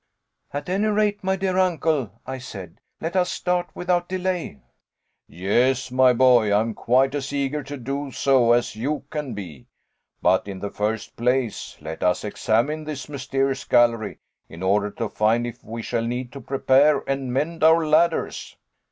"At any rate, my dear uncle," I said, "let us start without delay." "Yes, my boy, I am quite as eager to do so as you can be. But, in the first place, let us examine this mysterious gallery, in order to find if we shall need to prepare and mend our ladders."